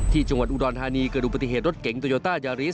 ที่จังหวัดอุดรธานีเกิดดูปฏิเหตุรถเก๋งโตโยต้ายาริส